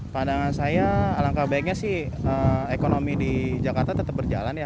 pandangan saya alangkah baiknya sih ekonomi di jakarta tetap berjalan ya